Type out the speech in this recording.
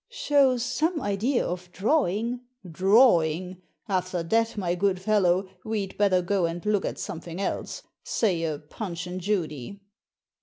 " Shows some idea of drawing." "Drawing! After that, my good fellow, we'd better go and look at something else— say a Punch and Judy."